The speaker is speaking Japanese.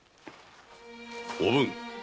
おぶん。